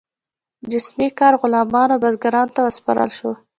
جسمي کار غلامانو او بزګرانو ته وسپارل شو.